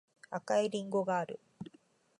赤いりんごがある